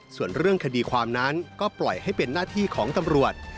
ส่วนเรื่องคดีความนั้นก็ปล่อยให้เป็นหน้าที่ของตำรวจ